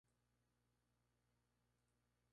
asnos, seis mil setecientos y veinte.